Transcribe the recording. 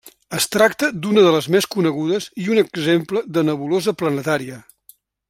Es tracta d'una de les més conegudes i un exemple de nebulosa planetària.